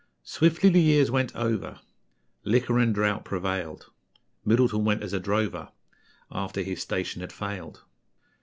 Swiftly the years went over, Liquor and drought prevailed; Middleton went as a drover, After his station had failed.